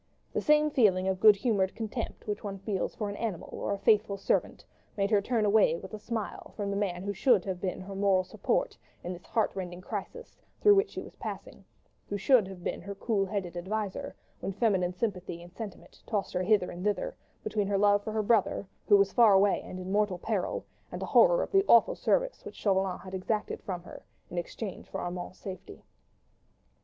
The same feeling of good humoured contempt which one feels for an animal or a faithful servant, made her turn away with a smile from the man who should have been her moral support in this heart rending crisis through which she was passing: who should have been her cool headed adviser, when feminine sympathy and sentiment tossed her hither and thither, between her love for her brother, who was far away and in mortal peril, and horror of the awful service which Chauvelin had exacted from her, in exchange for Armand's safety.